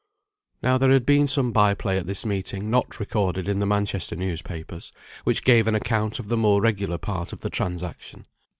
Now there had been some by play at this meeting, not recorded in the Manchester newspapers, which gave an account of the more regular part of the transaction.